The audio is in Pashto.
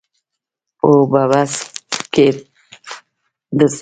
هو په بس کې درسره وم.